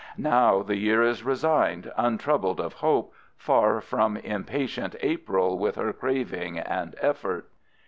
Now the year is resigned, untroubled of hope, far off from impatient April with her craving and effort.